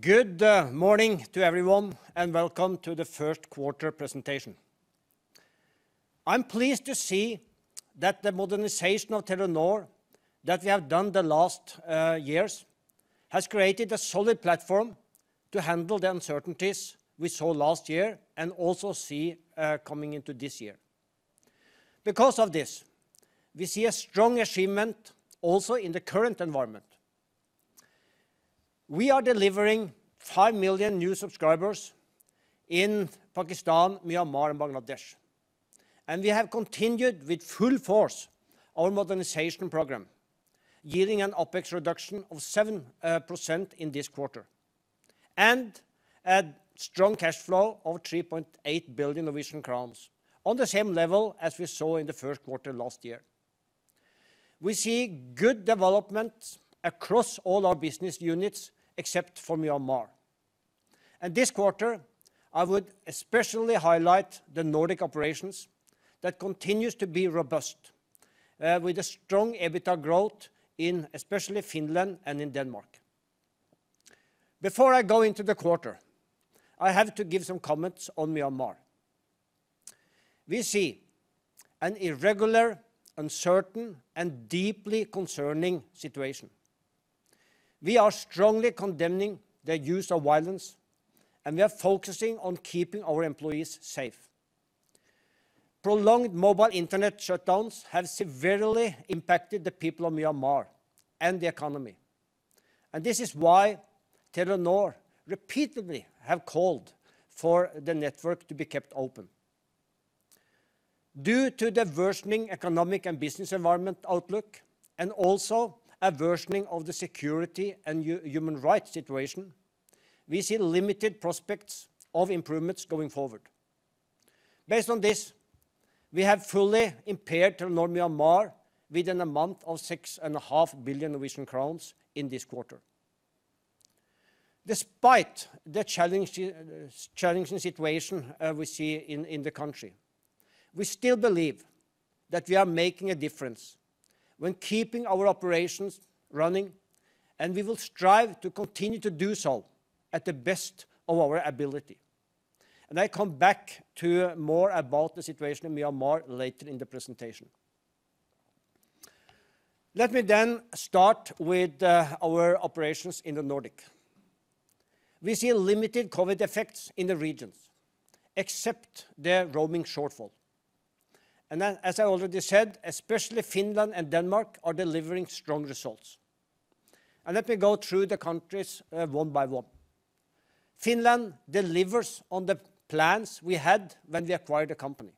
Good morning to everyone, and welcome to the first quarter presentation. I'm pleased to see that the modernization of Telenor that we have done the last years has created a solid platform to handle the uncertainties we saw last year and also see coming into this year. Because of this, we see a strong achievement also in the current environment. We are delivering 5 million new subscribers in Pakistan, Myanmar, and Bangladesh, and we have continued with full force our modernization program, yielding an OpEx reduction of 7% in this quarter, and a strong cash flow of 3.8 billion Norwegian crowns, on the same level as we saw in the first quarter last year. We see good development across all our business units except for Myanmar. This quarter, I would especially highlight the Nordic operations that continues to be robust, with a strong EBITDA growth in especially Finland and in Denmark. Before I go into the quarter, I have to give some comments on Myanmar. We see an irregular, uncertain, and deeply concerning situation. We are strongly condemning the use of violence, and we are focusing on keeping our employees safe. Prolonged mobile internet shutdowns have severely impacted the people of Myanmar and the economy. This is why Telenor repeatedly have called for the network to be kept open. Due to the worsening economic and business environment outlook and also a worsening of the security and human rights situation, we see limited prospects of improvements going forward. Based on this, we have fully impaired Telenor Myanmar with an amount of 6.5 billion Norwegian crowns in this quarter. Despite the challenging situation we see in the country, we still believe that we are making a difference when keeping our operations running, and we will strive to continue to do so at the best of our ability. I come back to more about the situation in Myanmar later in the presentation. Let me start with our operations in the Nordic. We see limited COVID effects in the regions except their roaming shortfall. As I already said, especially Finland and Denmark are delivering strong results. Let me go through the countries one by one. Finland delivers on the plans we had when we acquired the company.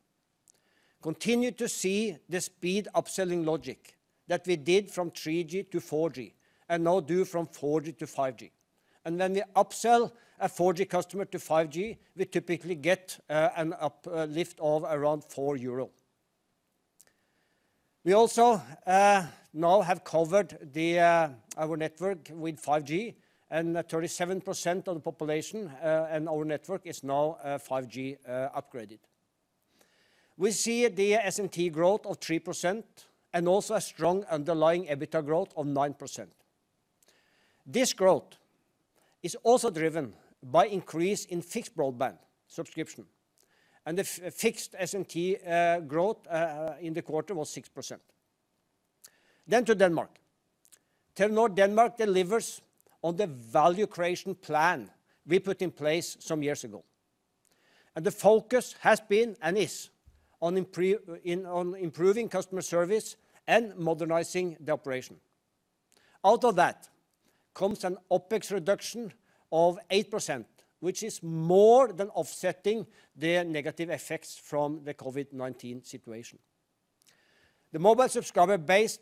Continue to see the speed upselling logic that we did from 3G to 4G and now do from 4G to 5G. When we upsell a 4G customer to 5G, we typically get an uplift of around 4 euro. We also now have covered our network with 5G, and 37% of the population and our network is now 5G-upgraded. We see the S&T growth of 3% and also a strong underlying EBITDA growth of 9%. This growth is also driven by increase in fixed broadband subscription, and the fixed S&T growth in the quarter was 6%. To Denmark. Telenor Denmark delivers on the value creation plan we put in place some years ago, and the focus has been and is on improving customer service and modernizing the operation. Out of that comes an OpEx reduction of 8%, which is more than offsetting their negative effects from the COVID-19 situation. The mobile subscriber base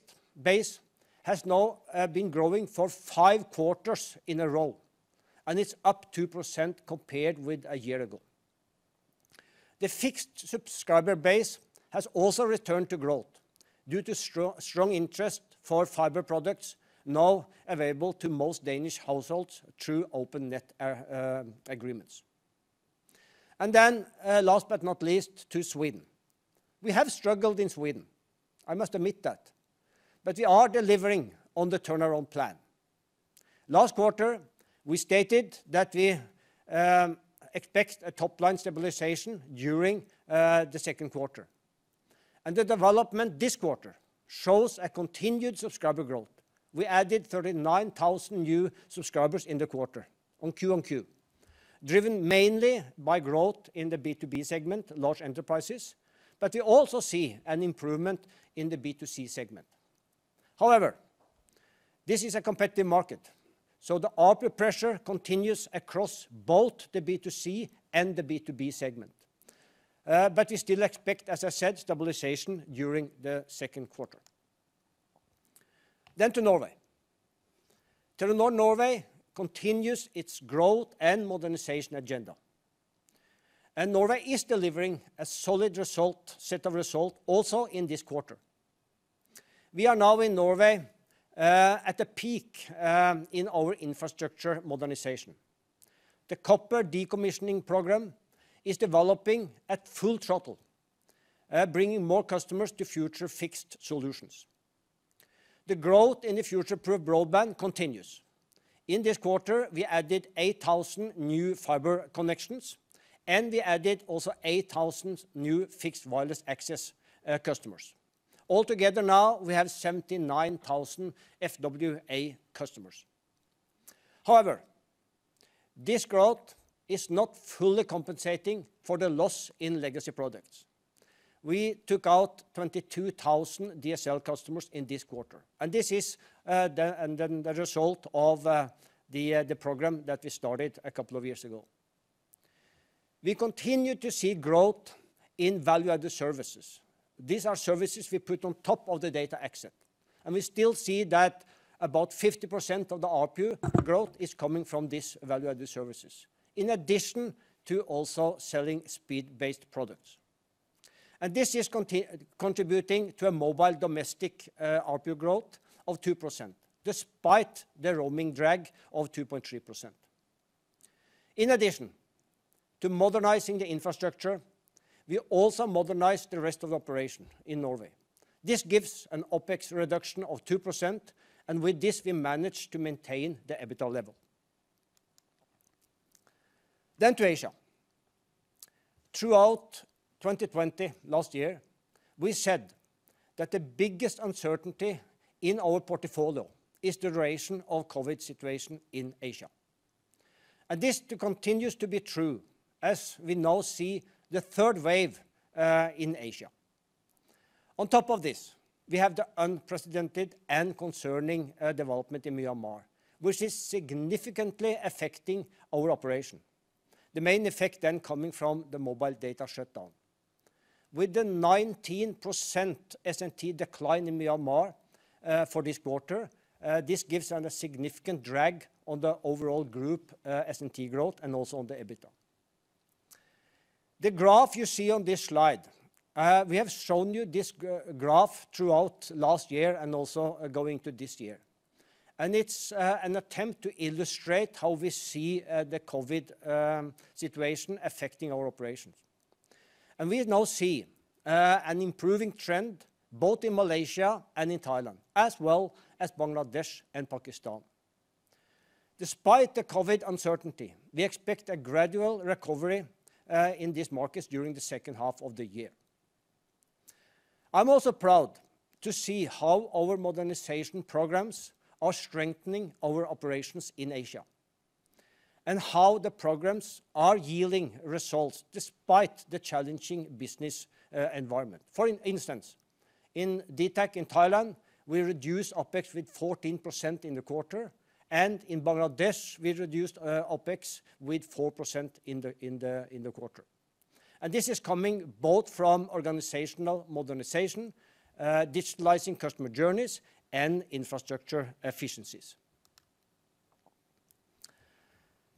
has now been growing for five quarters in a row, and it's up 2% compared with a year ago. The fixed subscriber base has also returned to growth due to strong interest for fiber products now available to most Danish households through open net agreements. Last but not least, to Sweden. We have struggled in Sweden, I must admit that, but we are delivering on the turnaround plan. Last quarter, we stated that we expect a top-line stabilization during the second quarter, and the development this quarter shows a continued subscriber growth. We added 39,000 new subscribers in the quarter on Q on Q, driven mainly by growth in the B2B segment, large enterprises, but we also see an improvement in the B2C segment. However, this is a competitive market, so the ARPU pressure continues across both the B2C and the B2B segment. We still expect, as I said, stabilization during the second quarter. To Norway. Telenor Norway continues its growth and modernization agenda, Norway is delivering a solid set of results also in this quarter. We are now in Norway at the peak in our infrastructure modernization. The copper decommissioning program is developing at full throttle, bringing more customers to future-fixed solutions. The growth in the future-proof broadband continues. In this quarter, we added 8,000 new fiber connections, We added also 8,000 new fixed wireless access customers. Altogether now, we have 79,000 FWA customers. However, this growth is not fully compensating for the loss in legacy products. We took out 22,000 DSL customers in this quarter, This is the result of the program that we started a couple of years ago. We continue to see growth in value-added services. These are services we put on top of the data access, we still see that about 50% of the ARPU growth is coming from these value-added services, in addition to also selling speed-based products. This is contributing to a mobile domestic ARPU growth of 2%, despite the roaming drag of 2.3%. In addition to modernizing the infrastructure, we also modernized the rest of the operation in Norway. This gives an OpEx reduction of 2%, and with this, we managed to maintain the EBITDA level. To Asia. Throughout 2020 last year, we said that the biggest uncertainty in our portfolio is the duration of COVID situation in Asia. This continues to be true as we now see the third wave in Asia. On top of this, we have the unprecedented and concerning development in Myanmar, which is significantly affecting our operation. The main effect coming from the mobile data shutdown. With the 19% S&T decline in Myanmar for this quarter, this gives a significant drag on the overall group S&T growth and also on the EBITDA. The graph you see on this slide, we have shown you this graph throughout last year and also going to this year, and it's an attempt to illustrate how we see the COVID situation affecting our operations. We now see an improving trend both in Malaysia and in Thailand, as well as Bangladesh and Pakistan. Despite the COVID uncertainty, we expect a gradual recovery in these markets during the second half of the year. I'm also proud to see how our modernization programs are strengthening our operations in Asia and how the programs are yielding results despite the challenging business environment. For instance, in dtac in Thailand, we reduced OpEx with 14% in the quarter. In Bangladesh, we reduced OpEx with 4% in the quarter. This is coming both from organizational modernization, digitalizing customer journeys, and infrastructure efficiencies.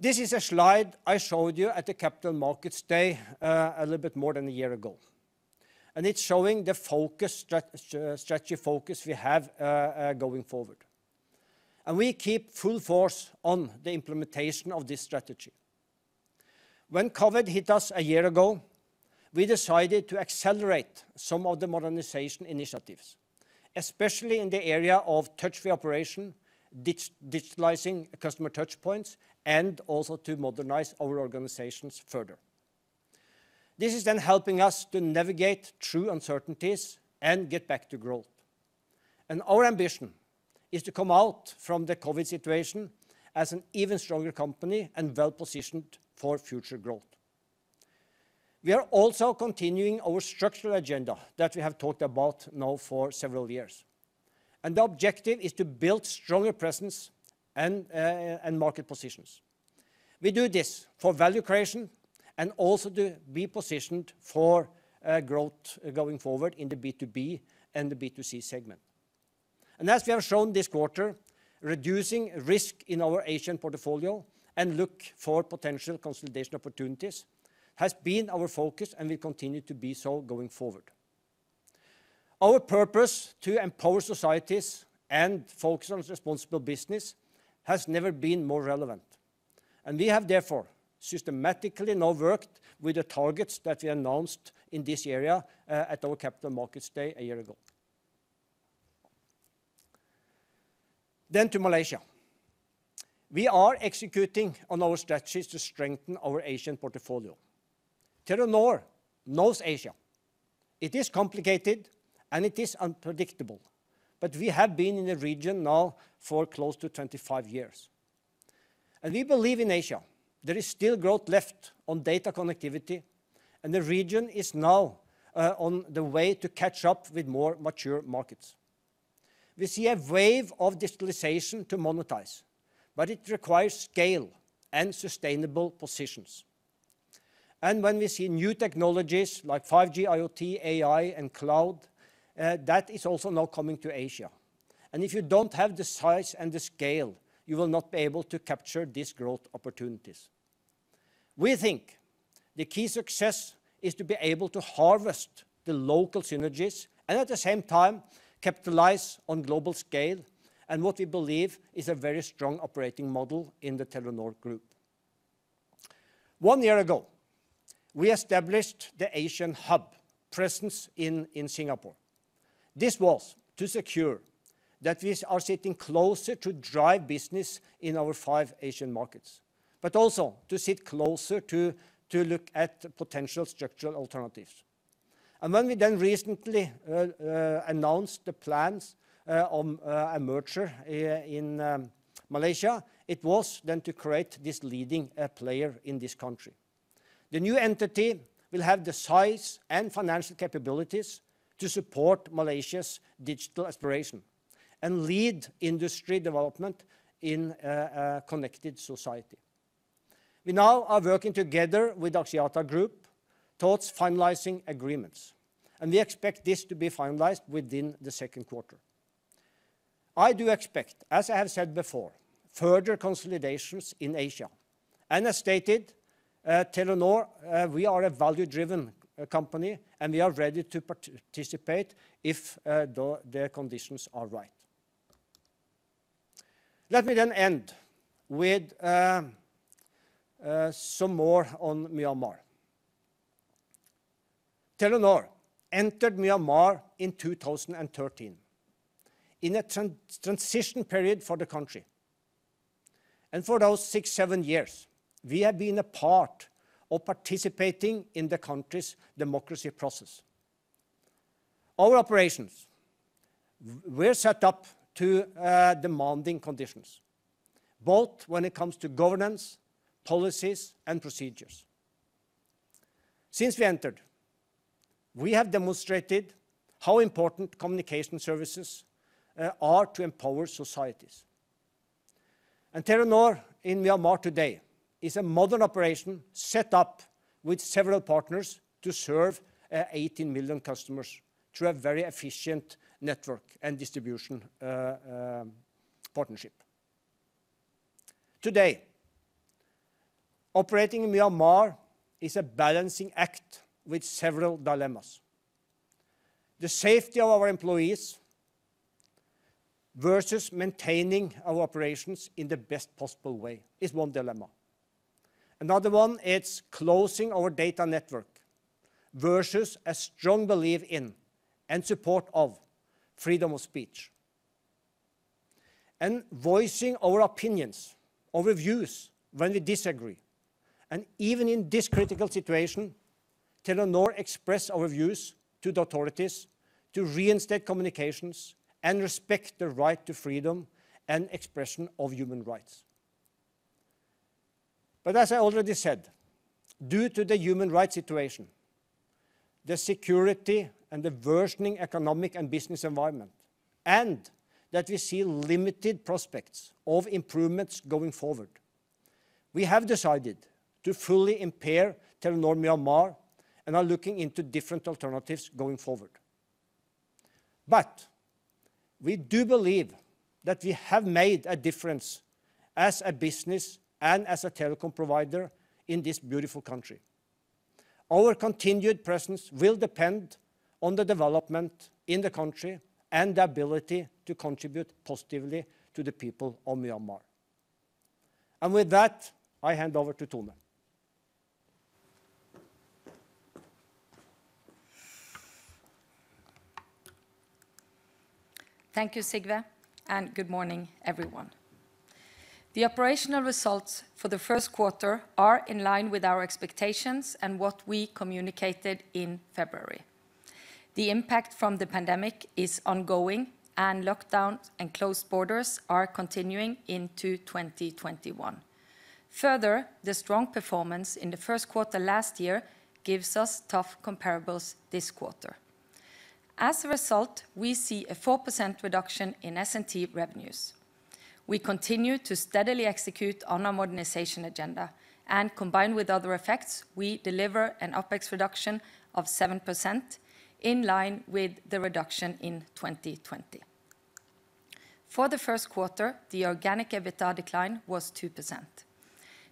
This is a slide I showed you at the Capital Markets Day a little bit more than a year ago, and it's showing the strategy focus we have going forward. We keep full force on the implementation of this strategy. When COVID hit us a year ago, we decided to accelerate some of the modernization initiatives, especially in the area of touch-free operation, digitalizing customer touchpoints, and also to modernize our organizations further. This is helping us to navigate through uncertainties and get back to growth. Our ambition is to come out from the COVID situation as an even stronger company and well-positioned for future growth. We are also continuing our structural agenda that we have talked about now for several years, and the objective is to build stronger presence and market positions. We do this for value creation and also to be positioned for growth going forward in the B2B and the B2C segment. As we have shown this quarter, reducing risk in our Asian portfolio and look for potential consolidation opportunities has been our focus and will continue to be so going forward. Our purpose to empower societies and focus on responsible business has never been more relevant, and we have therefore systematically now worked with the targets that we announced in this area at our Capital Markets Day a year ago. To Malaysia. We are executing on our strategies to strengthen our Asian portfolio. Telenor knows Asia. It is complicated, and it is unpredictable, but we have been in the region now for close to 25 years. We believe in Asia. There is still growth left on data connectivity, and the region is now on the way to catch up with more mature markets. We see a wave of digitalization to monetize, but it requires scale and sustainable positions. When we see new technologies like 5G, IoT, AI, and cloud, that is also now coming to Asia. If you don't have the size and the scale, you will not be able to capture these growth opportunities. We think the key success is to be able to harvest the local synergies and at the same time capitalize on global scale and what we believe is a very strong operating model in the Telenor Group. One year ago, we established the Asian hub presence in Singapore. This was to secure that we are sitting closer to drive business in our five Asian markets, but also to sit closer to look at potential structural alternatives. When we then recently announced the plans of a merger in Malaysia, it was then to create this leading player in this country. The new entity will have the size and financial capabilities to support Malaysia's digital aspiration and lead industry development in a connected society. We now are working together with Axiata Group towards finalizing agreements, and we expect this to be finalized within the second quarter. I do expect, as I have said before, further consolidations in Asia. As stated, Telenor, we are a value-driven company, and we are ready to participate if the conditions are right. Let me end with some more on Myanmar. Telenor entered Myanmar in 2013 in a transition period for the country. For those six, seven years, we have been a part of participating in the country's democracy process. Our operations were set up to demanding conditions, both when it comes to governance, policies, and procedures. Since we entered, we have demonstrated how important communication services are to empower societies. Telenor in Myanmar today is a modern operation set up with several partners to serve 18 million customers through a very efficient network and distribution partnership. Today, operating in Myanmar is a balancing act with several dilemmas. The safety of our employees versus maintaining our operations in the best possible way is one dilemma. Another one, it's closing our data network versus a strong belief in and support of freedom of speech and voicing our opinions, our views when we disagree, and even in this critical situation, Telenor express our views to the authorities to reinstate communications and respect the right to freedom and expression of human rights. As I already said, due to the human rights situation, the security and the worsening economic and business environment, and that we see limited prospects of improvements going forward, we have decided to fully impair Telenor Myanmar and are looking into different alternatives going forward. We do believe that we have made a difference as a business and as a telecom provider in this beautiful country. Our continued presence will depend on the development in the country and the ability to contribute positively to the people of Myanmar. With that, I hand over to Tone. Thank you, Sigve, and good morning, everyone. The operational results for the first quarter are in line with our expectations and what we communicated in February. The impact from the pandemic is ongoing, and lockdown and closed borders are continuing into 2021. The strong performance in the first quarter last year gives us tough comparables this quarter. As a result, we see a 4% reduction in S&T revenues. We continue to steadily execute on our modernization agenda, and combined with other effects, we deliver an OpEx reduction of 7%, in line with the reduction in 2020. For the first quarter, the organic EBITDA decline was 2%.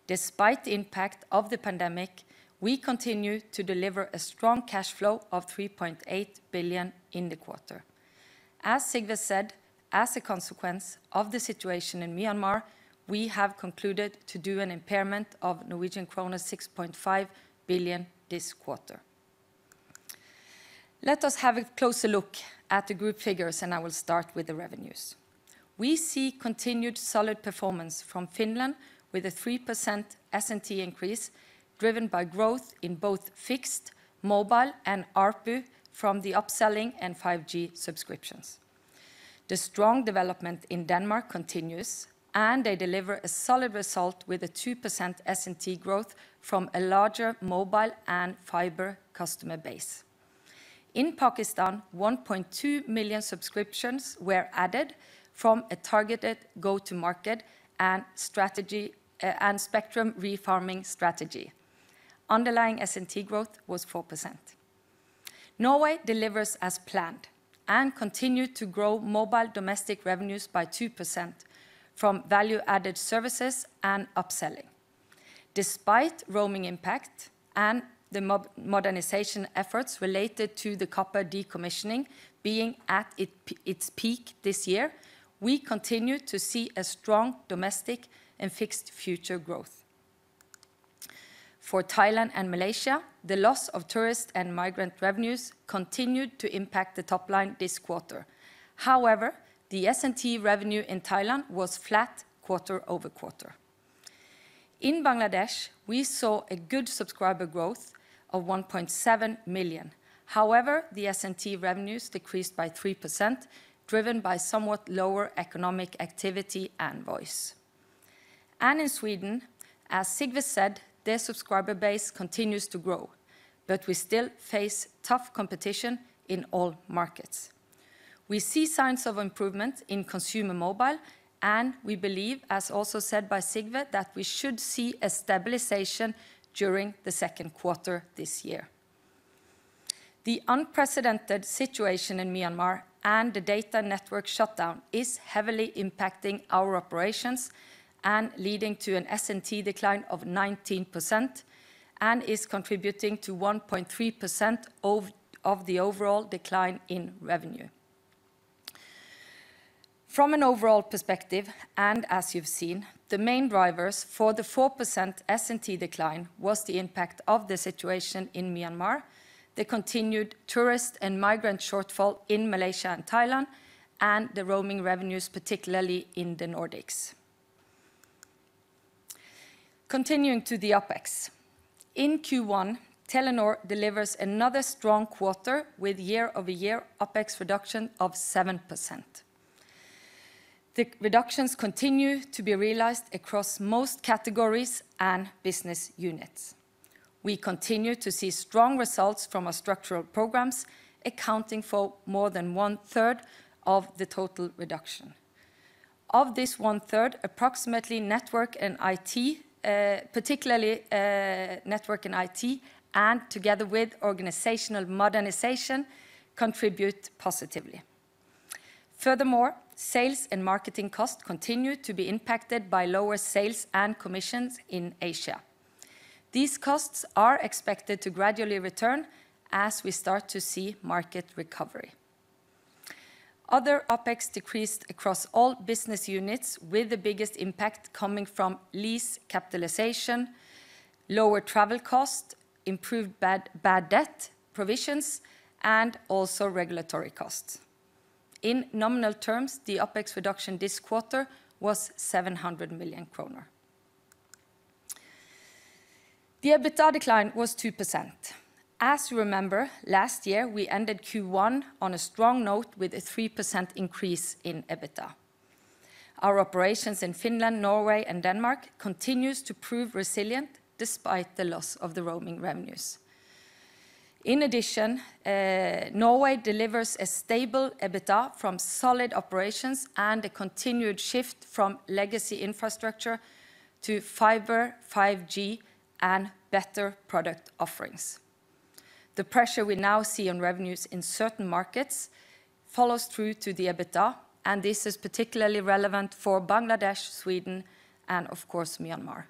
Despite the impact of the pandemic, we continue to deliver a strong cash flow of 3.8 billion in the quarter. As Sigve said, as a consequence of the situation in Myanmar, we have concluded to do an impairment of 6.5 billion this quarter. Let us have a closer look at the group figures, and I will start with the revenues. We see continued solid performance from Finland with a 3% S&T increase, driven by growth in both fixed, mobile, and ARPU from the upselling and 5G subscriptions. The strong development in Denmark continues, and they deliver a solid result with a 2% S&T growth from a larger mobile and fiber customer base. In Pakistan, 1.2 million subscriptions were added from a targeted go-to-market and spectrum refarming strategy. Underlying S&T growth was 4%. Norway delivers as planned and continued to grow mobile domestic revenues by 2% from value-added services and upselling. Despite roaming impact and the modernization efforts related to the copper decommissioning being at its peak this year, we continue to see a strong domestic and fixed future growth. For Thailand and Malaysia, the loss of tourist and migrant revenues continued to impact the top line this quarter. The S&T revenue in Thailand was flat quarter-over-quarter. In Bangladesh, we saw a good subscriber growth of 1.7 million. The S&T revenues decreased by 3%, driven by somewhat lower economic activity and voice. In Sweden, as Sigve said, their subscriber base continues to grow, we still face tough competition in all markets. We see signs of improvement in consumer mobile, we believe, as also said by Sigve, that we should see a stabilization during the second quarter this year. The unprecedented situation in Myanmar and the data network shutdown is heavily impacting our operations and leading to an S&T decline of 19% and is contributing to 1.3% of the overall decline in revenue. From an overall perspective, and as you've seen, the main drivers for the 4% S&T decline was the impact of the situation in Myanmar, the continued tourist and migrant shortfall in Malaysia and Thailand, and the roaming revenues, particularly in the Nordics. Continuing to the OpEx. In Q1, Telenor delivers another strong quarter with year-over-year OpEx reduction of 7%. The reductions continue to be realized across most categories and business units. We continue to see strong results from our structural programs, accounting for more than one-third of the total reduction. Of this one-third, particularly network and IT, and together with organizational modernization, contribute positively. Furthermore, sales and marketing costs continue to be impacted by lower sales and commissions in Asia. These costs are expected to gradually return as we start to see market recovery. Other OpEx decreased across all business units, with the biggest impact coming from lease capitalization, lower travel cost, improved bad debt provisions, and also regulatory costs. In nominal terms, the OpEx reduction this quarter was 700 million kroner. The EBITDA decline was 2%. As you remember, last year, we ended Q1 on a strong note with a 3% increase in EBITDA. Our operations in Finland, Norway, and Denmark continues to prove resilient despite the loss of the roaming revenues. In addition, Norway delivers a stable EBITDA from solid operations and a continued shift from legacy infrastructure to fiber, 5G, and better product offerings. The pressure we now see on revenues in certain markets follows through to the EBITDA, and this is particularly relevant for Bangladesh, Sweden, and of course, Myanmar.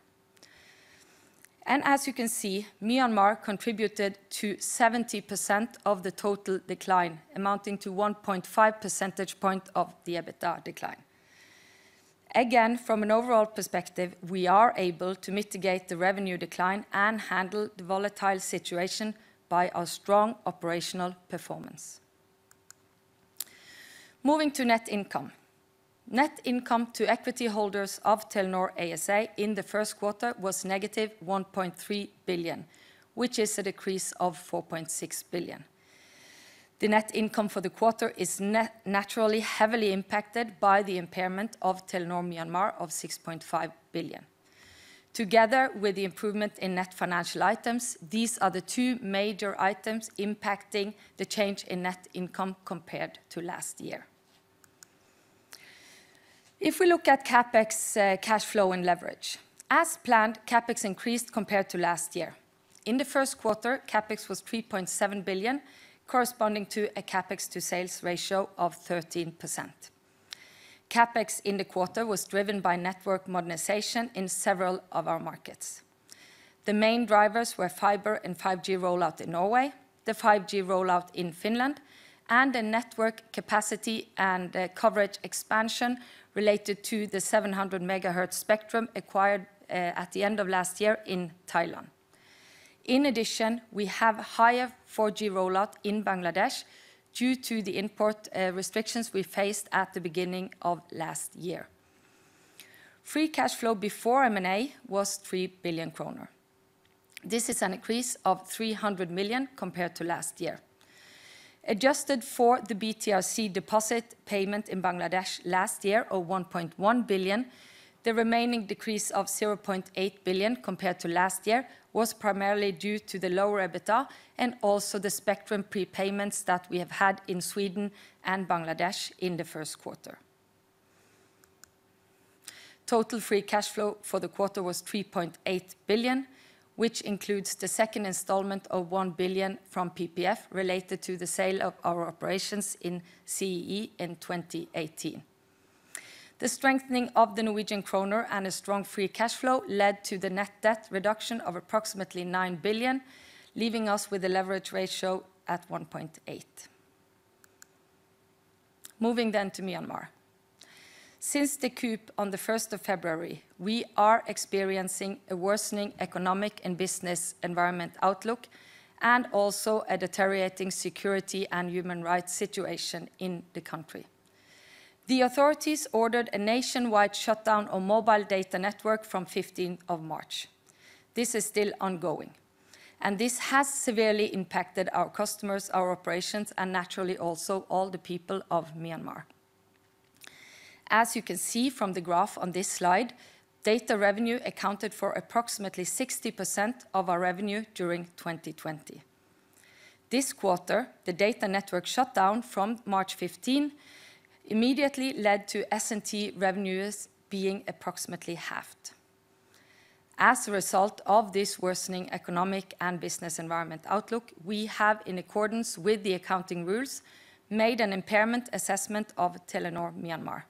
As you can see, Myanmar contributed to 70% of the total decline, amounting to 1.5 percentage point of the EBITDA decline. Again, from an overall perspective, we are able to mitigate the revenue decline and handle the volatile situation by our strong operational performance. Moving to net income. Net income to equity holders of Telenor ASA in the first quarter was -1.3 billion, which is a decrease of 4.6 billion. The net income for the quarter is naturally heavily impacted by the impairment of Telenor Myanmar of 6.5 billion. Together with the improvement in net financial items, these are the two major items impacting the change in net income compared to last year. If we look at CapEx cash flow and leverage. As planned, CapEx increased compared to last year. In the first quarter, CapEx was 3.7 billion, corresponding to a CapEx to sales ratio of 13%. CapEx in the quarter was driven by network modernization in several of our markets. The main drivers were fiber and 5G rollout in Norway, the 5G rollout in Finland, and the network capacity and coverage expansion related to the 700 MHz spectrum acquired at the end of last year in Thailand. In addition, we have higher 4G rollout in Bangladesh due to the import restrictions we faced at the beginning of last year. Free cash flow before M&A was 3 billion kroner. This is an increase of 300 million compared to last year. Adjusted for the BTRC deposit payment in Bangladesh last year of 1.1 billion, the remaining decrease of 0.8 billion compared to last year was primarily due to the lower EBITDA and also the spectrum prepayments that we have had in Sweden and Bangladesh in the first quarter. Total free cash flow for the quarter was 3.8 billion, which includes the second installment of 1 billion from PPF related to the sale of our operations in CEE in 2018. The strengthening of the Norwegian kroner and a strong free cash flow led to the net debt reduction of approximately 9 billion, leaving us with a leverage ratio at 1.8. Moving to Myanmar. Since the coup on the 1st of February, we are experiencing a worsening economic and business environment outlook, and also a deteriorating security and human rights situation in the country. The authorities ordered a nationwide shutdown of mobile data network from 15th of March. This is still ongoing, and this has severely impacted our customers, our operations, and naturally also all the people of Myanmar. As you can see from the graph on this slide, data revenue accounted for approximately 60% of our revenue during 2020. This quarter, the data network shut down from March 15, immediately led to S&T revenues being approximately halved. As a result of this worsening economic and business environment outlook, we have, in accordance with the accounting rules, made an impairment assessment of Telenor Myanmar.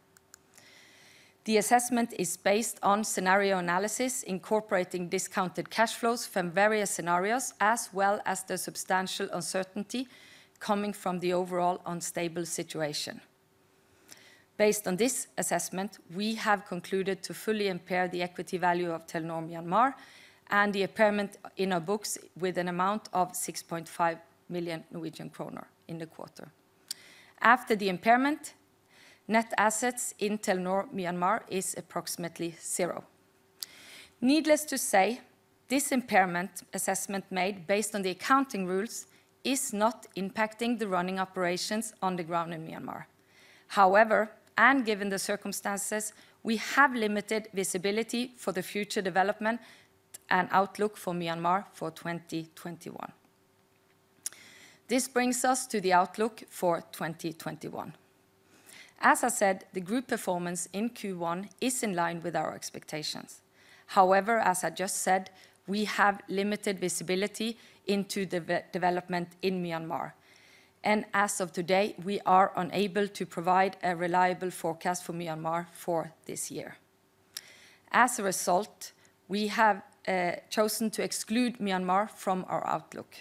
The assessment is based on scenario analysis incorporating discounted cash flows from various scenarios, as well as the substantial uncertainty coming from the overall unstable situation. Based on this assessment, we have concluded to fully impair the equity value of Telenor Myanmar and the impairment in our books with an amount of 6.5 billion Norwegian kroner in the quarter. After the impairment, net assets in Telenor Myanmar is approximately zero. Needless to say, this impairment assessment made based on the accounting rules is not impacting the running operations on the ground in Myanmar. However, and given the circumstances, we have limited visibility for the future development and outlook for Myanmar for 2021. This brings us to the outlook for 2021. As I said, the group performance in Q1 is in line with our expectations. However, as I just said, we have limited visibility into the development in Myanmar. As of today, we are unable to provide a reliable forecast for Myanmar for this year. We have chosen to exclude Myanmar from our outlook.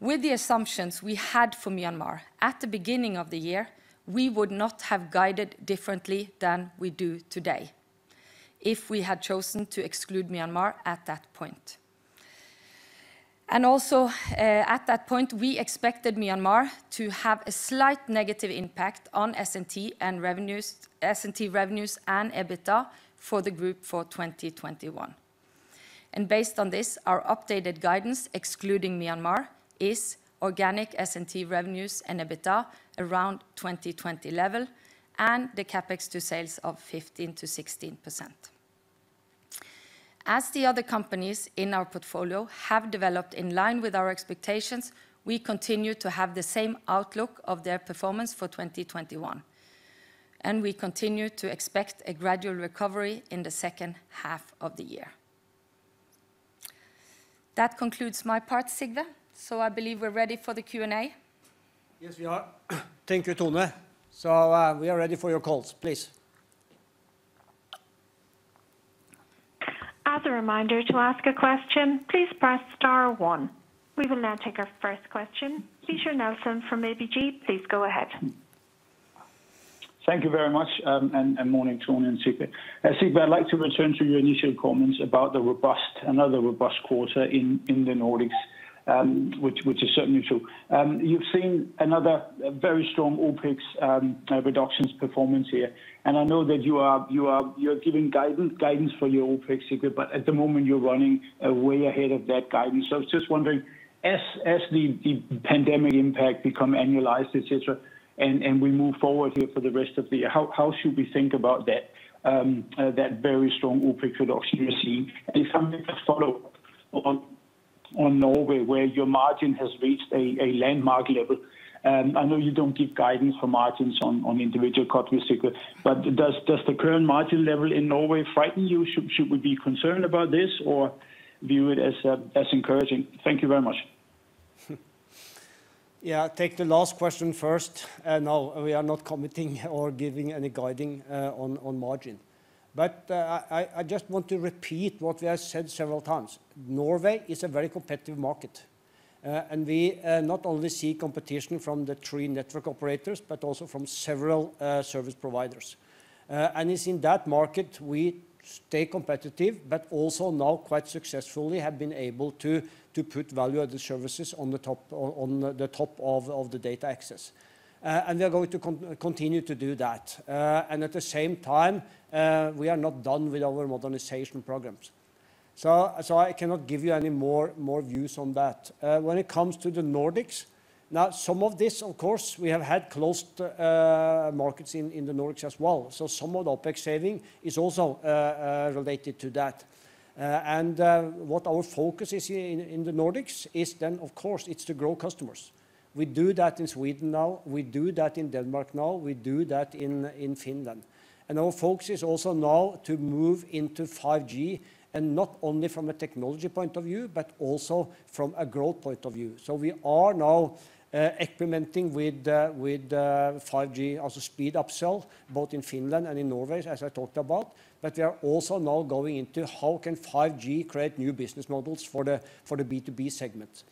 With the assumptions we had for Myanmar at the beginning of the year, we would not have guided differently than we do today if we had chosen to exclude Myanmar at that point. At that point, we expected Myanmar to have a slight negative impact on S&T revenues and EBITDA for the group for 2021. Based on this, our updated guidance, excluding Myanmar, is organic S&T revenues and EBITDA around 2020 level and the CapEx to sales of 15%-16%. The other companies in our portfolio have developed in line with our expectations, we continue to have the same outlook of their performance for 2021, and we continue to expect a gradual recovery in the second half of the year. That concludes my part, Sigve. I believe we're ready for the Q and A. Yes, we are. Thank you, Tone. We are ready for your calls, please. As a reminder, to ask a question, please press star one. We will now take our first question. Peter Nielsen from ABG, please go ahead. Thank you very much. Morning, Tone and Sigve. Sigve, I'd like to return to your initial comments about another robust quarter in the Nordics, which is certainly true. You've seen another very strong OpEx reductions performance here. I know that you're giving guidance for your OpEx, Sigve, at the moment, you're running way ahead of that guidance. I was just wondering, as the pandemic impact become annualized, et cetera, and we move forward here for the rest of the year, how should we think about that very strong OpEx reduction you're seeing? If I may just follow up on Norway, where your margin has reached a landmark level. I know you don't give guidance for margins on individual countries, Sigve. Does the current margin level in Norway frighten you? Should we be concerned about this or view it as encouraging? Thank you very much. Yeah, take the last question first. No, we are not committing or giving any guiding on margin. I just want to repeat what we have said several times. Norway is a very competitive market. We not only see competition from the three network operators, but also from several service providers. It's in that market we stay competitive, but also now quite successfully have been able to put value-added services on the top of the data access. We are going to continue to do that. At the same time, we are not done with our modernization programs. I cannot give you any more views on that. When it comes to the Nordics. Now some of this, of course, we have had closed markets in the Nordics as well. Some of the OpEx saving is also related to that. What our focus is in the Nordics is then, of course, it's to grow customers. We do that in Sweden now, we do that in Denmark now, we do that in Finland. Our focus is also now to move into 5G, and not only from a technology point of view, but also from a growth point of view. We are now experimenting with 5G as a speed upsell, both in Finland and in Norway, as I talked about. We are also now going into how can 5G create new business models for the B2B segment.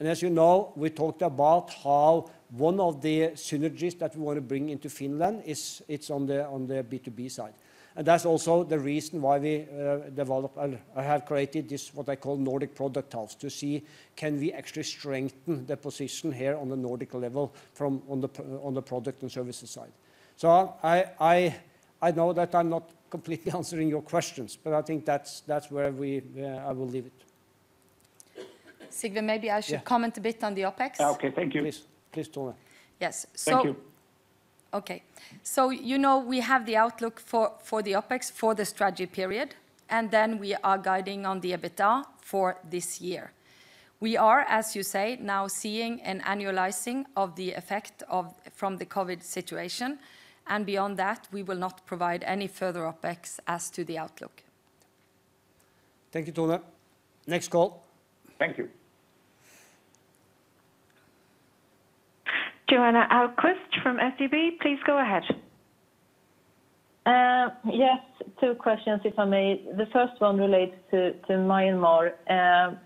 As you know, we talked about how one of the synergies that we want to bring into Finland it's on the B2B side. That's also the reason why we have created this, what I call Nordic product house, to see can we actually strengthen the position here on the Nordic level from on the product and services side. I know that I'm not completely answering your questions, but I think that's where I will leave it. Sigve, maybe I should comment a bit on the OpEx. Okay. Thank you. Please, Tone. Thank you. Okay. You know we have the outlook for the OpEx for the strategy period, and then we are guiding on the EBITDA for this year. We are, as you say, now seeing an annualizing of the effect from the COVID situation, and beyond that, we will not provide any further OpEx as to the outlook. Thank you, Tone. Next call. Thank you. Johanna Ahlqvist from SEB, please go ahead. Yes, two questions, if I may. The first one relates to Myanmar.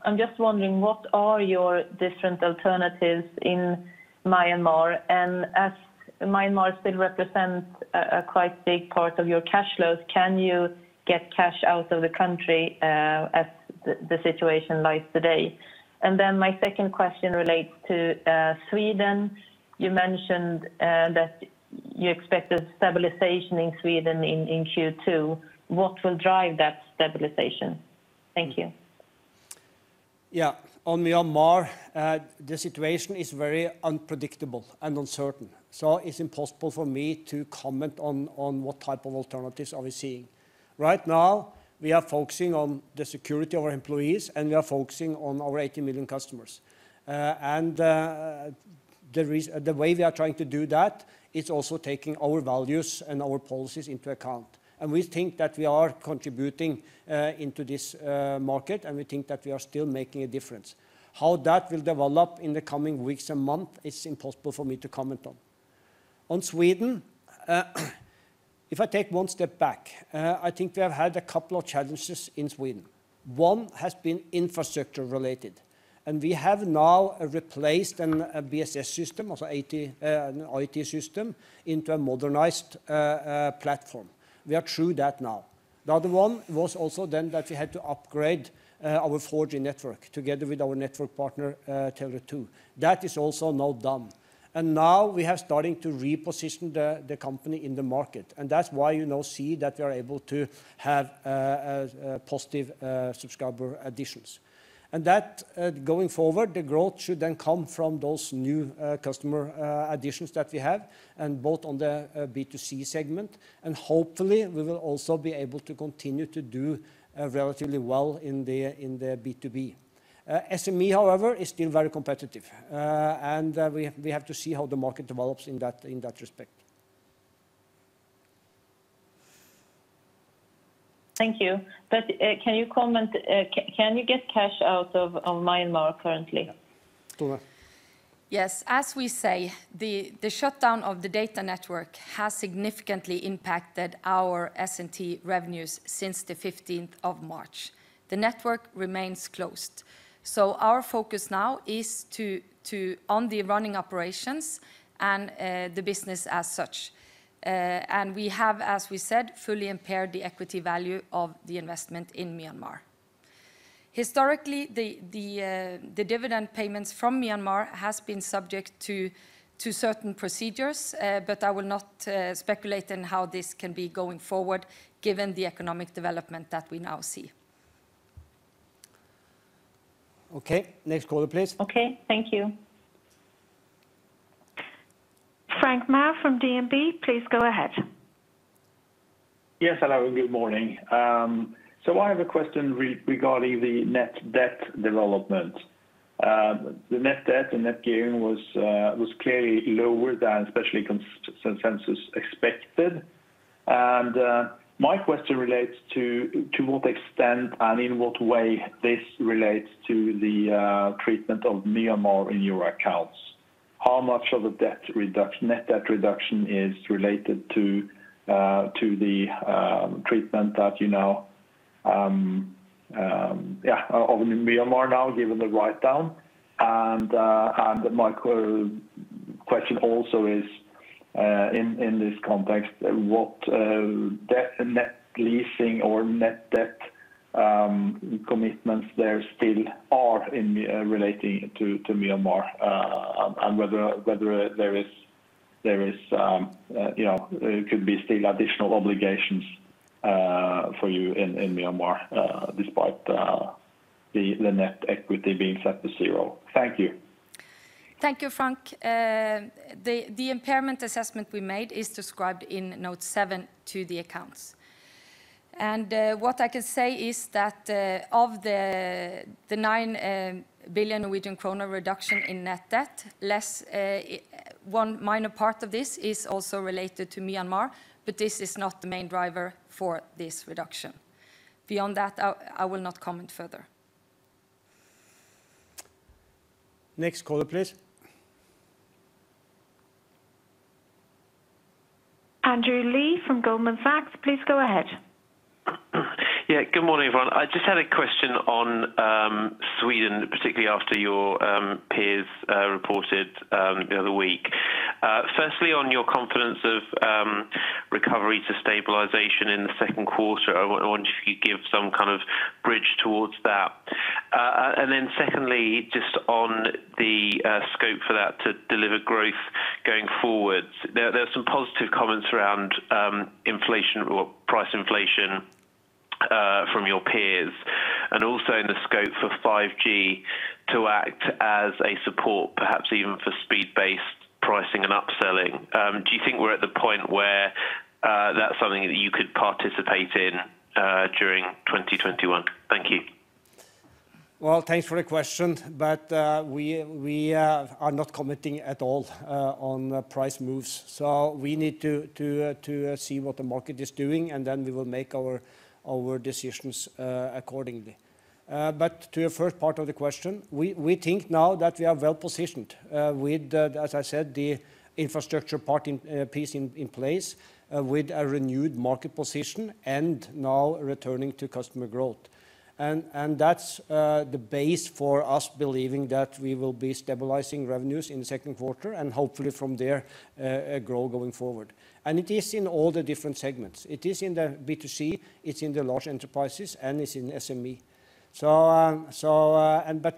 I'm just wondering, what are your different alternatives in Myanmar? As Myanmar still represents a quite big part of your cash flows, can you get cash out of the country as the situation lies today? My second question relates to Sweden. You mentioned that you expect a stabilization in Sweden in Q2. What will drive that stabilization? Thank you. On Myanmar, the situation is very unpredictable and uncertain. It's impossible for me to comment on what type of alternatives are we seeing. Right now, we are focusing on the security of our employees, and we are focusing on our 80 million customers. The way we are trying to do that is also taking our values and our policies into account. We think that we are contributing into this market, and we think that we are still making a difference. How that will develop in the coming weeks and month, it's impossible for me to comment on. On Sweden, if I take one step back, I think we have had a couple of challenges in Sweden. One has been infrastructure related. We have now replaced a BSS system, also an IT system, into a modernized platform. We are through that now. The other one was also then that we had to upgrade our 4G network together with our network partner, Tele2. That is also now done. Now we are starting to reposition the company in the market. That's why you now see that we are able to have positive subscriber additions. That, going forward, the growth should then come from those new customer additions that we have, and both on the B2C segment. Hopefully, we will also be able to continue to do relatively well in the B2B. SME, however, is still very competitive. We have to see how the market develops in that respect. Thank you. Can you get cash out of Myanmar currently? Tone. Yes. As we say, the shutdown of the data network has significantly impacted our S&T revenues since the 15th of March. The network remains closed. Our focus now is on the running operations and the business as such. We have, as we said, fully impaired the equity value of the investment in Myanmar. Historically, the dividend payments from Myanmar has been subject to certain procedures, but I will not speculate on how this can be going forward given the economic development that we now see. Okay. Next caller, please. Okay. Thank you. Frank Maaø from DNB, please go ahead. Yes, hello, good morning. I have a question regarding the net debt development. The net debt and net gain was clearly lower than especially consensus expected. My question relates to what extent and in what way this relates to the treatment of Myanmar in your accounts. How much of the net debt reduction is related to the treatment of Myanmar now, given the write-down? My question also is, in this context, what net leasing or net debt commitments there still are relating to Myanmar, and whether there could be still additional obligations for you in Myanmar, despite the net equity being set to zero. Thank you. Thank you, Frank. The impairment assessment we made is described in note seven to the accounts. What I can say is that of the 9 billion Norwegian kroner reduction in net debt, one minor part of this is also related to Myanmar, but this is not the main driver for this reduction. Beyond that, I will not comment further. Next caller, please. Andrew Lee from Goldman Sachs, please go ahead. Yeah. Good morning, everyone. I just had a question on Sweden, particularly after your peers reported the other week. Firstly, on your confidence of recovery to stabilization in the second quarter, I wonder if you could give some kind of bridge towards that. Secondly, just on the scope for that to deliver growth going forward. There's some positive comments around inflation or price inflation from your peers, and also in the scope for 5G to act as a support, perhaps even for speed-based pricing and upselling. Do you think we're at the point where that's something that you could participate in during 2021? Thank you. Well, thanks for the question, we are not committing at all on price moves. We need to see what the market is doing, and then we will make our decisions accordingly. To your first part of the question, we think now that we are well-positioned with, as I said, the infrastructure piece in place with a renewed market position and now returning to customer growth. That's the base for us believing that we will be stabilizing revenues in the second quarter, and hopefully from there, grow going forward. It is in all the different segments. It is in the B2C, it's in the large enterprises, and it's in SME.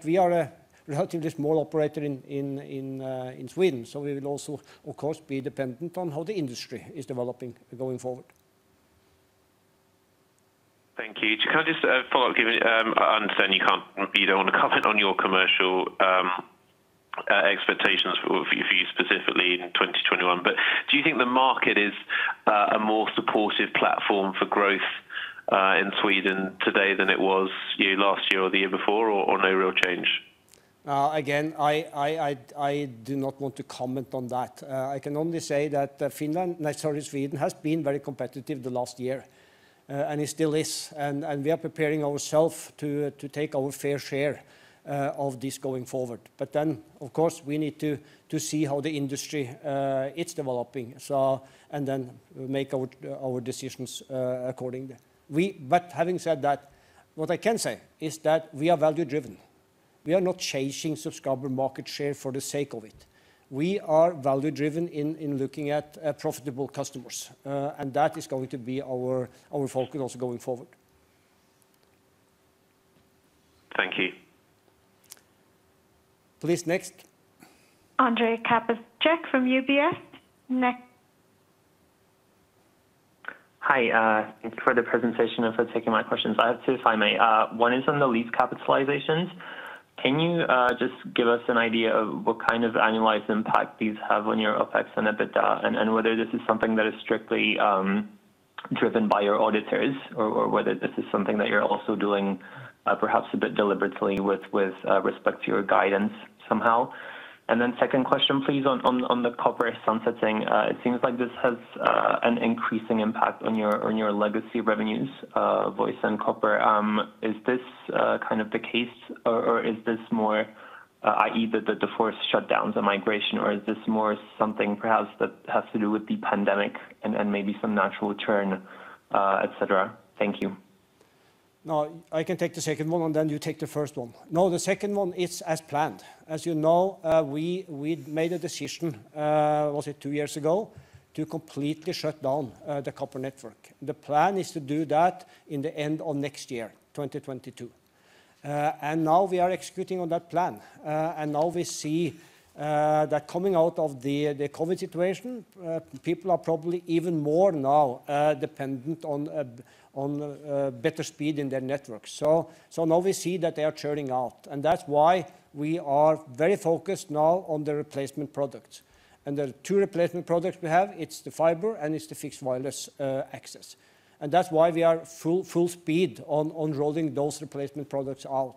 We are a relatively small operator in Sweden, so we will also, of course, be dependent on how the industry is developing going forward. Thank you. Can I just follow up. I understand you don't want to comment on your commercial expectations for you specifically in 2021. Do you think the market is a more supportive platform for growth in Sweden today than it was last year or the year before, or no real change? I do not want to comment on that. I can only say that Finland, and I saw Sweden, has been very competitive the last year. It still is, and we are preparing ourselves to take our fair share of this going forward. Of course, we need to see how the industry is developing, and then make our decisions accordingly. Having said that, what I can say is that we are value-driven. We are not chasing subscriber market share for the sake of it. We are value-driven in looking at profitable customers. That is going to be our focus going forward. Thank you. Please, next. Ondřej Cabejšek from UBS. Next. Hi. Thank you for the presentation and for taking my questions. I have two, if I may. One is on the lease capitalizations. Can you just give us an idea of what kind of annualized impact these have on your OpEx and EBITDA? Whether this is something that is strictly driven by your auditors or whether this is something that you're also doing perhaps a bit deliberately with respect to your guidance somehow? Second question, please, on the copper sunset thing. It seems like this has an increasing impact on your legacy revenues, voice, and copper. Is this the case or is this more i.e., the forced shutdowns, the migration, or is this more something perhaps that has to do with the pandemic and maybe some natural churn, et cetera? Thank you. I can take the second one, you take the first one. The second one is as planned. As you know, we made a decision, was it two years ago, to completely shut down the copper network. The plan is to do that in the end of next year, 2022. Now we are executing on that plan. Now we see that coming out of the COVID situation, people are probably even more now dependent on better speed in their network. Now we see that they are churning out, and that's why we are very focused now on the replacement products. The two replacement products we have, it's the fiber and it's the fixed wireless access. That's why we are full speed on rolling those replacement products out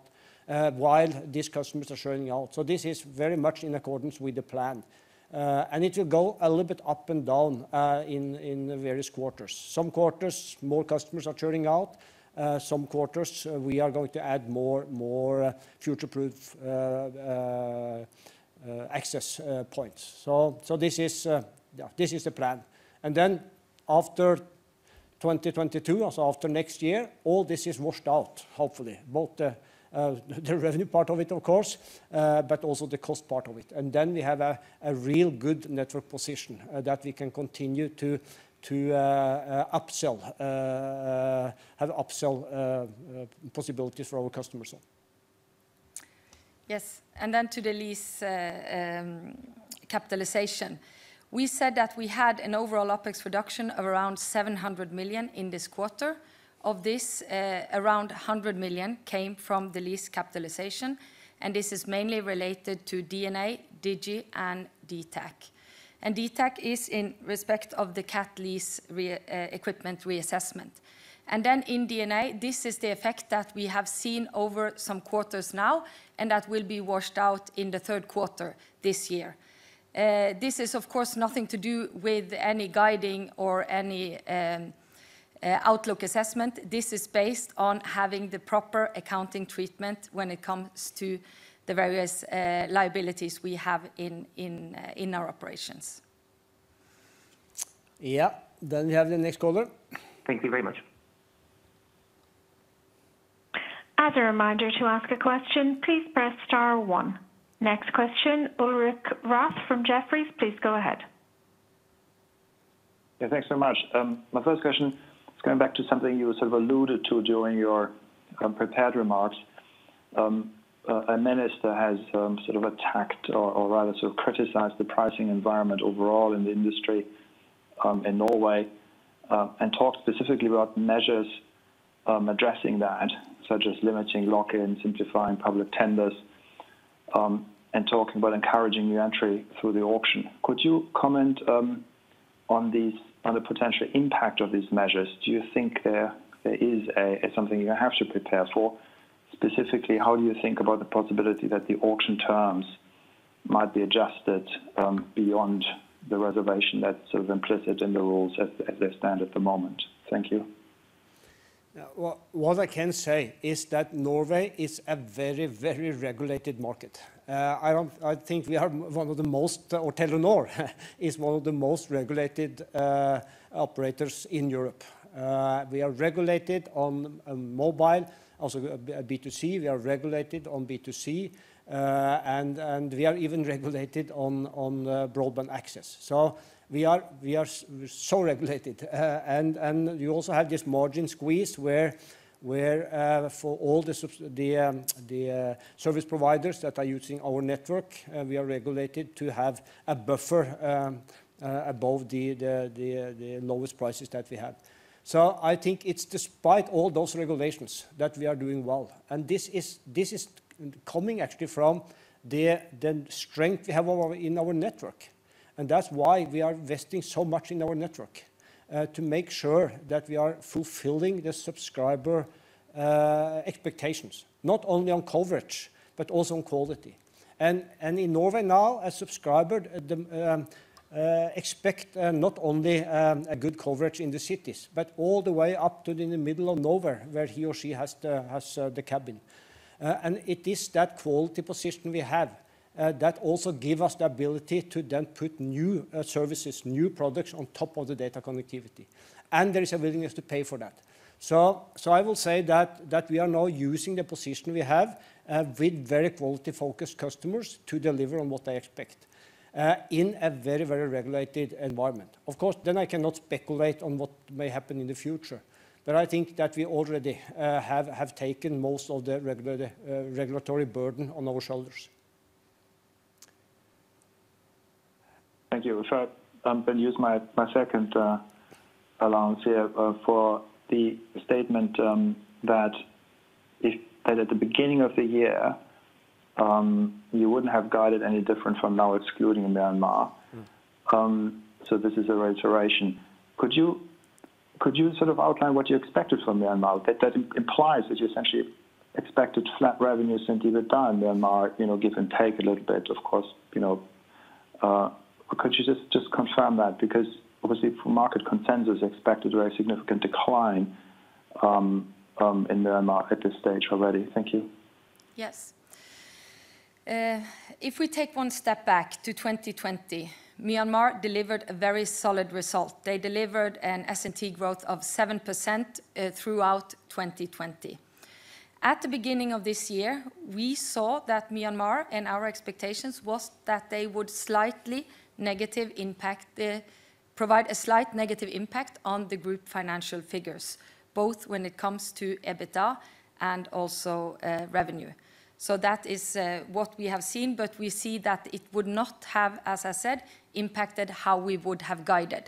while these customers are churning out. This is very much in accordance with the plan. It will go a little bit up and down in the various quarters. Some quarters, more customers are churning out. Some quarters, we are going to add more future-proof access points. This is the plan. After 2022, so after next year, all this is washed out, hopefully. Both the revenue part of it, of course, but also the cost part of it. We have a real good network position that we can continue to upsell, have upsell possibilities for our customers. Yes. To the lease capitalization. We said that we had an overall OpEx reduction of around 700 million in this quarter. Of this, around 100 million came from the lease capitalization, and this is mainly related to DNA, Digi, and dtac. dtac is in respect of the capital lease equipment reassessment. In DNA, this is the effect that we have seen over some quarters now, and that will be washed out in the third quarter this year. This is of course nothing to do with any guiding or any outlook assessment. This is based on having the proper accounting treatment when it comes to the various liabilities we have in our operations. Yeah. We have the next caller. Thank you very much. As a reminder, to ask a question, please press star one. Next question, Ulrich Rathe from Jefferies, please go ahead. Yeah, thanks so much. My first question is going back to something you sort of alluded to during your prepared remarks. A minister has sort of attacked or rather sort of criticized the pricing environment overall in the industry, in Norway, and talked specifically about measures addressing that, such as limiting lock-ins, simplifying public tenders, and talking about encouraging new entry through the auction. Could you comment on the potential impact of these measures? Do you think there is something you have to prepare for? Specifically, how do you think about the possibility that the auction terms might be adjusted, beyond the reservation that's sort of implicit in the rules as they stand at the moment? Thank you. Yeah. What I can say is that Norway is a very regulated market. I think we are one of the most, or Telenor is one of the most regulated operators in Europe. We are regulated on mobile, also B2C. We are regulated on B2C. We are even regulated on broadband access. We are so regulated. You also have this margin squeeze where for all the service providers that are using our network, we are regulated to have a buffer above the lowest prices that we have. I think it's despite all those regulations that we are doing well. This is coming actually from the strength we have in our network. That's why we are investing so much in our network, to make sure that we are fulfilling the subscriber expectations, not only on coverage, but also on quality. In Norway now, a subscriber expect not only good coverage in the cities, but all the way up to the middle of nowhere, where he or she has the cabin. It is that quality position we have that also give us the ability to then put new services, new products on top of the data connectivity. There is a willingness to pay for that. I will say that we are now using the position we have with very quality-focused customers to deliver on what they expect, in a very regulated environment. Of course, then I cannot speculate on what may happen in the future. I think that we already have taken most of the regulatory burden on our shoulders. Thank you. If I can use my second allowance here for the statement that at the beginning of the year, you wouldn't have guided any different from now excluding Myanmar. This is a reiteration. Could you sort of outline what you expected from Myanmar? That implies that you essentially expected flat revenue since the time Myanmar, give and take a little bit, of course. Could you just confirm that? Because obviously, for market consensus expected very significant decline in Myanmar at this stage already. Thank you. Yes. If we take one step back to 2020, Myanmar delivered a very solid result. They delivered an S&T growth of 7% throughout 2020. At the beginning of this year, we saw that Myanmar and our expectations was that they would provide a slight negative impact on the group financial figures, both when it comes to EBITDA and also revenue. That is what we have seen, we see that it would not have, as I said, impacted how we would have guided.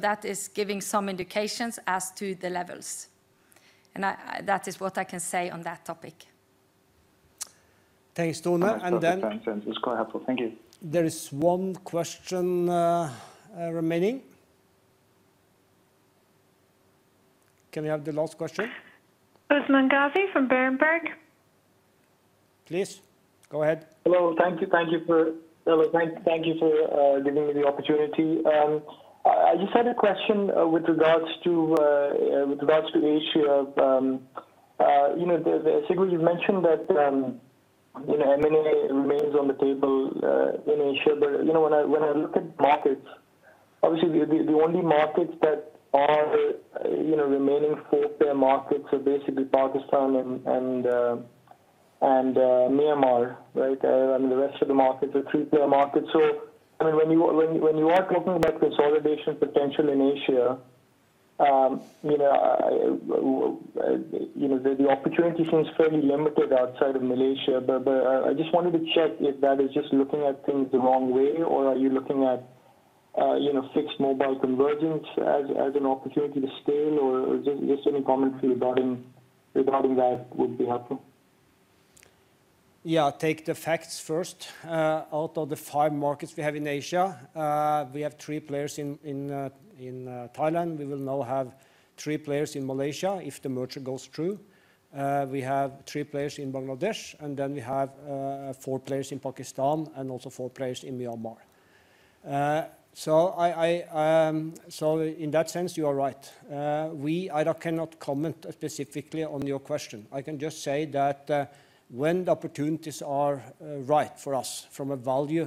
That is giving some indications as to the levels. That is what I can say on that topic. Thanks, Tone. That's perfectly fine. It was quite helpful. Thank you There is one question remaining. Can we have the last question? Usman Ghazi from Berenberg. Please go ahead. Hello. Thank you for giving me the opportunity. I just had a question with regards to the issue of Sigve, you mentioned that M&A remains on the table in Asia. When I look at markets, obviously the only markets that are remaining four-player markets are basically Pakistan and Myanmar, right? The rest of the markets are three-player markets. When you are talking about consolidation potential in Asia. The opportunity seems fairly limited outside of Malaysia. I just wanted to check if that is just looking at things the wrong way, or are you looking at fixed wireless access as an opportunity to scale, or just any commentary regarding that would be helpful. Yeah. Take the facts first. Out of the five markets we have in Asia, we have three players in Thailand. We will now have three players in Malaysia if the merger goes through. We have three players in Bangladesh, and then we have four players in Pakistan and also four players in Myanmar. In that sense, you are right. I cannot comment specifically on your question. I can just say that when the opportunities are right for us from a value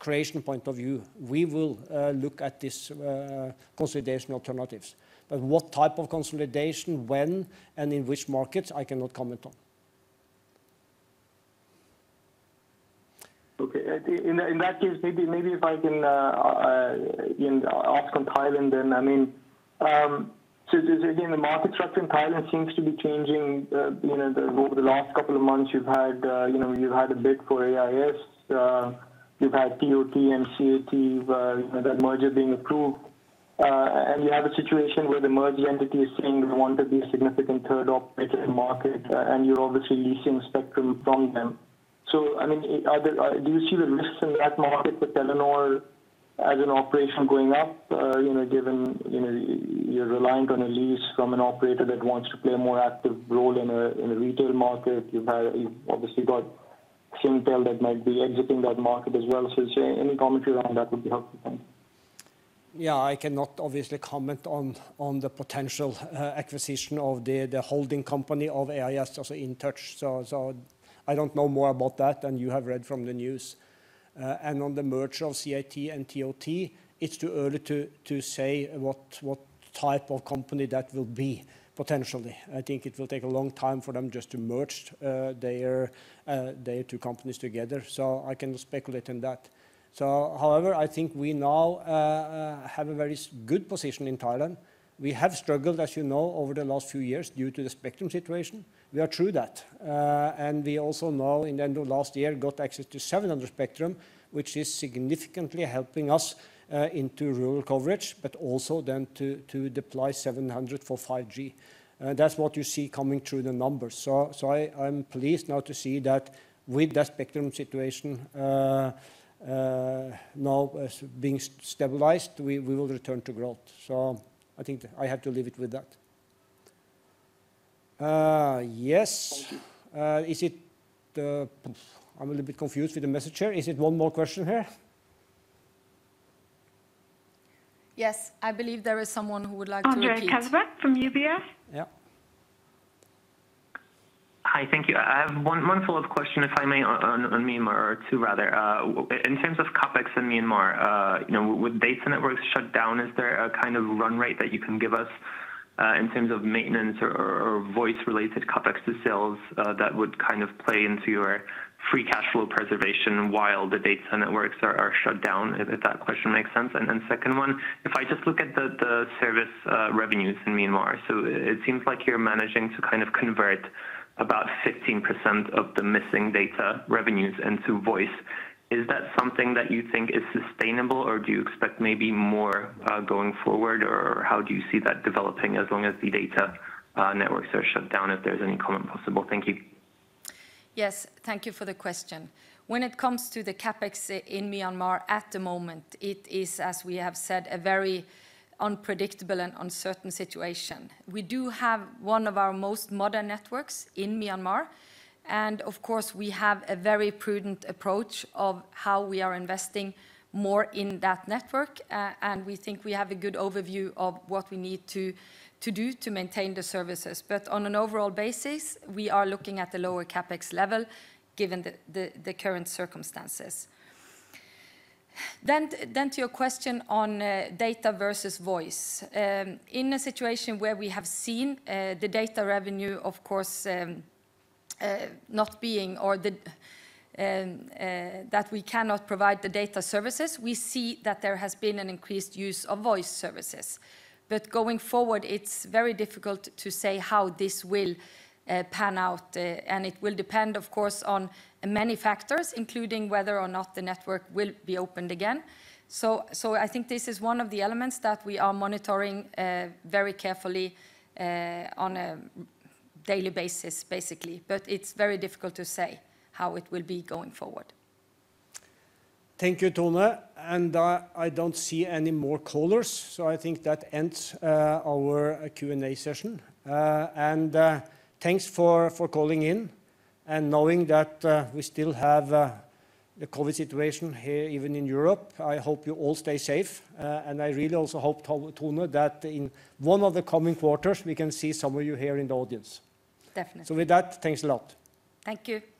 creation point of view, we will look at these consolidation alternatives. What type of consolidation, when, and in which markets, I cannot comment on. Okay. In that case, maybe if I can ask on Thailand then. Again, the market structure in Thailand seems to be changing. Over the last couple of months, you've had a bid for AIS. You've had TOT and CAT, that merger being approved. You have a situation where the merged entity is saying they want to be a significant third operator in the market, and you're obviously leasing spectrum from them. Do you see the risks in that market with Telenor as an operation going up, given you're reliant on a lease from an operator that wants to play a more active role in the retail market? You've obviously got Singtel that might be exiting that market as well. Just any commentary around that would be helpful. Thanks. Yeah, I cannot obviously comment on the potential acquisition of the holding company of AIS, also Intouch. I don't know more about that than you have read from the news. On the merger of CAT and TOT, it's too early to say what type of company that will be potentially. I think it will take a long time for them just to merge their two companies together. I can speculate on that. However, I think we now have a very good position in Thailand. We have struggled, as you know, over the last few years due to the spectrum situation. We are through that. We also now, in the end of last year, got access to 700 spectrum, which is significantly helping us into rural coverage, but also then to deploy 700 for 5G. That's what you see coming through the numbers. I am pleased now to see that with that spectrum situation now being stabilized, we will return to growth. I think I have to leave it with that. Yes. Thank you. I'm a little bit confused with the messenger. Is it one more question here? Yes, I believe there is someone who would like to repeat. Ondřej Cabejšek from UBS. Yeah. Hi, thank you. I have one follow-up question, if I may, on Myanmar, or two rather. In terms of CapEx in Myanmar, with data networks shut down, is there a kind of run rate that you can give us in terms of maintenance or voice-related CapEx to sales that would play into your free cash flow preservation while the data networks are shut down? If that question makes sense. Second one, if I just look at the service revenues in Myanmar, so it seems like you're managing to convert about 15% of the missing data revenues into voice. Is that something that you think is sustainable, or do you expect maybe more going forward, or how do you see that developing as long as the data networks are shut down, if there's any comment possible? Thank you. Yes. Thank you for the question. When it comes to the CapEx in Myanmar at the moment, it is, as we have said, a very unpredictable and uncertain situation. We do have one of our most modern networks in Myanmar, of course, we have a very prudent approach of how we are investing more in that network. We think we have a good overview of what we need to do to maintain the services. On an overall basis, we are looking at the lower CapEx level given the current circumstances. To your question on data versus voice. In a situation where we have seen the data revenue, of course, that we cannot provide the data services, we see that there has been an increased use of voice services. Going forward, it's very difficult to say how this will pan out, and it will depend, of course, on many factors, including whether or not the network will be opened again. I think this is one of the elements that we are monitoring very carefully on a daily basis, basically. It's very difficult to say how it will be going forward. Thank you, Tone. I don't see any more callers, so I think that ends our Q and A session. Thanks for calling in. Knowing that we still have the COVID situation here, even in Europe, I hope you all stay safe. I really also hope, Tone, that in one of the coming quarters, we can see some of you here in the audience. Definitely. With that, thanks a lot. Thank you.